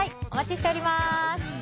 お待ちしております。